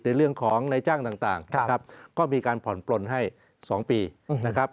ในเรื่องของในจ้างต่างก็มีการผลปนให้สองปีนะครับ